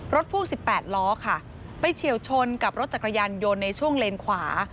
พ่วง๑๘ล้อค่ะไปเฉียวชนกับรถจักรยานยนต์ในช่วงเลนขวา